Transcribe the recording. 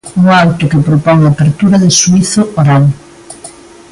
Un auto que propón a apertura de xuízo oral.